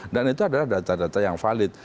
dan itu adalah data data yang valid